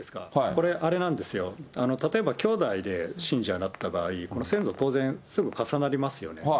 これ、あれなんですよ、例えば、きょうだいで信者だった場合、先祖、当然、すぐ重なりますよね。